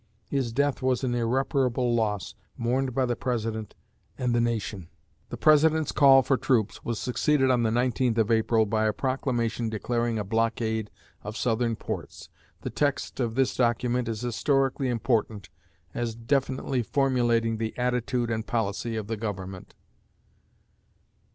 His death was an irreparable loss, mourned by the President and the nation. The President's call for troops was succeeded on the 19th of April by a proclamation declaring a blockade of Southern ports. The text of this document is historically important, as definitely formulating the attitude and policy of the Government.